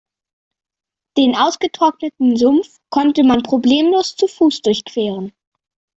Den ausgetrockneten Sumpf konnte man problemlos zu Fuß durchqueren.